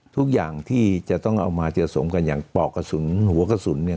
ทุกอย่างที่จะต้องเอามาสะสมกันอย่างปอกกระสุนหัวกระสุนเนี่ย